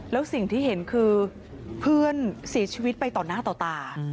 แล้วสิ่งที่เห็นคือเพื่อนเสียชีวิตไปต่อหน้าต่อตา